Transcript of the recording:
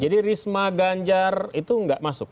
risma ganjar itu nggak masuk